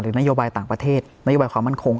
นโยบายต่างประเทศนโยบายความมั่นคง